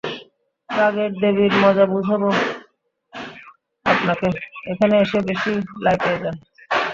রাগের দেবীর মজা বুঝাবো আপনাকে, এখানে এসে বেশি লাই পেয়ে যান।